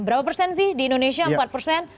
berapa persen sih di indonesia empat persen